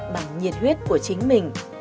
bằng nhiệt huyết của chính mình